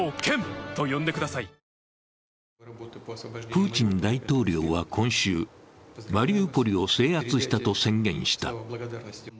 プーチン大統領は今週、マリウポリを制圧したと宣言した。